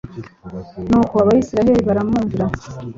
nuko abayisraheli baramwumvira